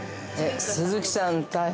◆鈴木さん、大変。